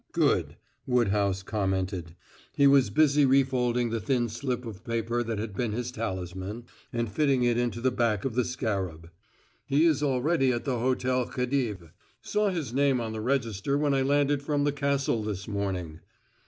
"Good!" Woodhouse commented. He was busy refolding the thin slip of paper that had been his talisman, and fitting it into the back of the scarab. "Woodhouse he is already at the Hotel Khedive; saw his name on the register when I landed from the Castle this morning."